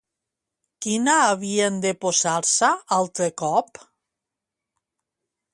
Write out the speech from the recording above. Quina havien de posar-se altre cop?